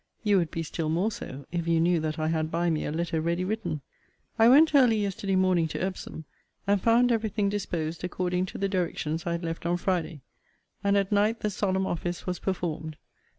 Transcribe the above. You would be still more so, if you knew that I had by me a letter ready written. I went early yesterday morning to Epsom; and found every thing disposed according to the directions I had left on Friday; and at night the solemn office was performed.